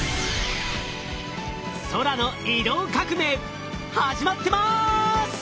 空の移動革命始まってます！